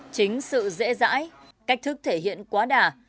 chính sự dễ dãi cách thức thể hiện quá đà